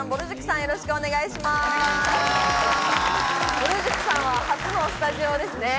ぼる塾さんは初のスタジオですね。